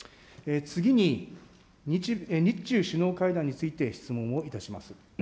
次に、日中首脳会談について質問をいたします。